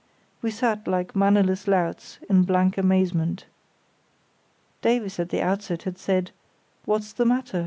We sat like mannerless louts, in blank amazement. Davies at the outset had said, "What's the matter?"